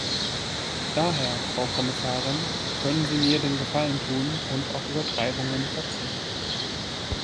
Daher, Frau Kommissarin, können Sie mir den Gefallen tun und auf Übertreibungen verzichten.